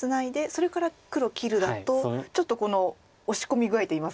それから黒切るだとちょっとこの押し込み具合といいますか。